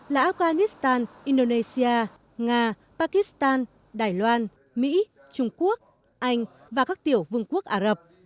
là afghanistan indonesia nga pakistan đài loan mỹ trung quốc anh và các tiểu vương quốc ả rập